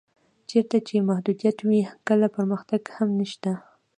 چېرته چې محدودیت وي کله پرمختګ هم نشته.